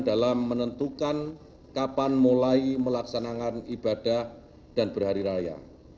dalam menentukan kapan mulai melaksanakan ibadah dan berhari raya